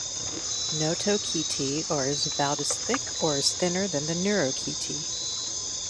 Notochaetae are about as thick as or thinner than the neurochaetae.